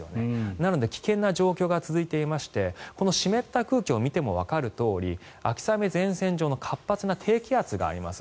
なので危険な状況が続いていましてこの湿った空気を見てもわかるとおり秋雨前線上の活発な低気圧があります。